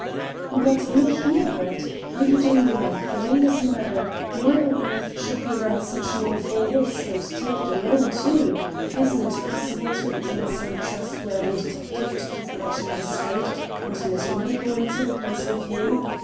"But look here, Brett: are you doing the right thing in this matter? Why on earth should you run such an awful risk, and take it alone, too? Isn't it possible to obtain some trustworthy detective to keep watch in the street, and let me go into the place with you?